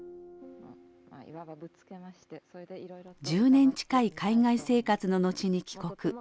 １０年近い海外生活の後に帰国。